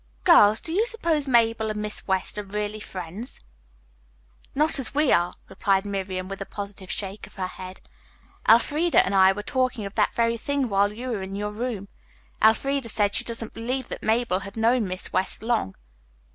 "Girls, do you suppose Mabel and Miss West are really friends?" "Not as we are," replied Miriam, with a positive shake of her head. "Elfreda and I were talking of that very thing while you were in your room. Elfreda said she didn't believe that Mabel had known Miss West long."